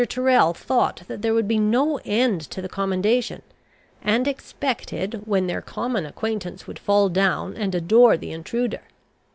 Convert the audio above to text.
Tyrrel thought there would be no end to the commendation; and expected when their common acquaintance would fall down and adore the intruder.